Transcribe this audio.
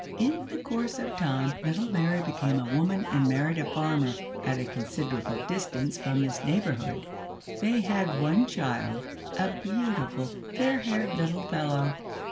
In the course of time little Mary became a woman and married a farmer at a considerable distance from this neighbourhood. They had one child, a beautiful fair haired little fellow.